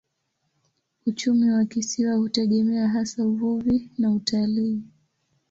Uchumi wa kisiwa hutegemea hasa uvuvi na utalii.